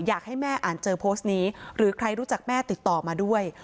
อยากให้แม่อ่านเจอโพสต์นี้หรือใครรู้จักแม่ติดต่อมาด้วย